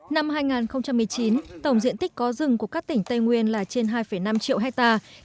năm hai nghìn một mươi chín tổng diện tích có rừng của các tỉnh tây nguyên là trên hai năm triệu hectare